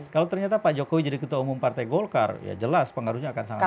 kalau ternyata pak jokowi jadi ketua umum partai golkar ya jelas pengaruhnya akan sangat